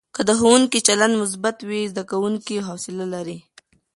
که د ښوونکي چلند مثبت وي، زده کوونکي حوصله لري.